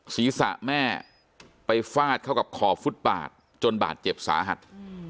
ศีรษะแม่ไปฟาดเข้ากับขอบฟุตบาทจนบาดเจ็บสาหัส